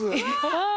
ああ！